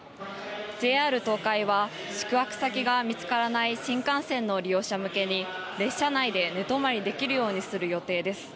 ＪＲ東海は宿泊先が見つからない新幹線の利用者向けに列車内で寝泊まりできるようにする予定です。